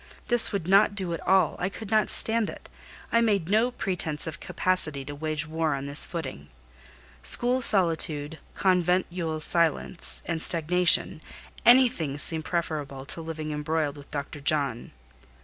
This would not do at all; I could not stand it: I made no pretence of capacity to wage war on this footing. School solitude, conventual silence and stagnation, anything seemed preferable to living embroiled with Dr. John.